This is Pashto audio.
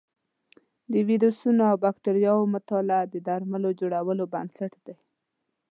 د ویروسونو او بکتریاوو مطالعه د درملو جوړولو بنسټ دی.